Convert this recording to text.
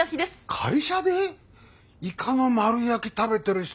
会社でイカの丸焼き食べてる人